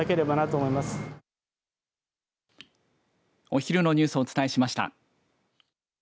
お昼のニュースをお伝えしました。